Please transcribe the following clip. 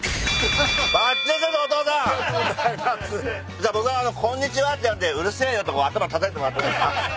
じゃあ僕が「こんにちは」ってやるんで「うるせえよ」ってこう頭たたいてもらっていいですか？